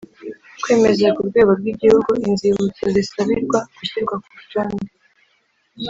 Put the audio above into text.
Kwemeza ku rwego rw igihugu inzibutso zisabirwa gushyirwa ku rutonde